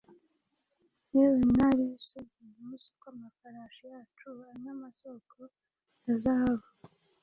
Ewe mwari w'isugi, ntuzi ko amafarashi yacu anywa amasoko ya zahabu